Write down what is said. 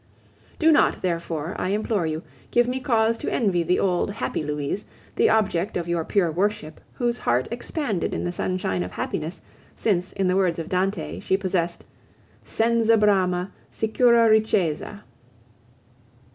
Do not therefore, I implore you, give me cause to envy the old, happy Louise, the object of your pure worship, whose heart expanded in the sunshine of happiness, since, in the words of Dante, she possessed, Senza brama, sicura ricchezza!